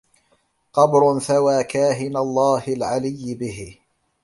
قبر ثوى كاهن الله العلي به